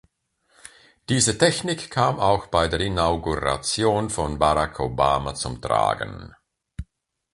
Diese Technik kam auch bei der Inauguration von Barack Obama zum Tragen.